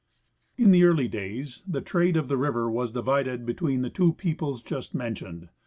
In the early days the trade of the river was divided between the two peoples just mentioned.